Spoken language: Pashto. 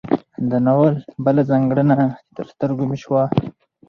د ناول بله ځانګړنه چې تر سترګو مې شوه